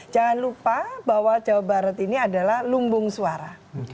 jangan lupa bahwa jawa barat ini adalah lumbung suara